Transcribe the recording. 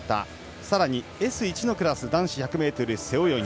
さらに、Ｓ１のクラス男子１００ｍ背泳ぎ。